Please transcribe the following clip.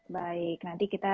baik nanti kita